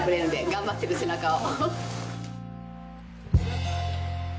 頑張ってる背中を。